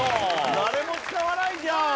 誰も使わないじゃん。